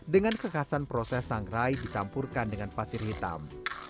dengan kekasan proses sangrai dicampurkan dengan pasir hitam